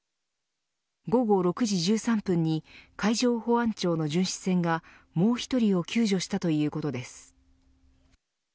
午後６時１３分に海上保安庁の巡視船がもう１人を救助したということです。